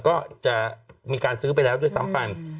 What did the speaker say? ก็จะมีการซื้อไปแล้วด้วยซ้ำไป